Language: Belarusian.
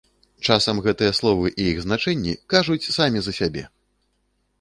Часам гэтыя словы і іх значэнні кажуць самі за сябе!